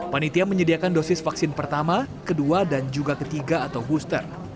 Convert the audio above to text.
panitia menyediakan dosis vaksin pertama kedua dan juga ketiga atau booster